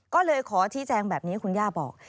ก็เลยขอชี้แจงแบบนี้คุณย่าบอก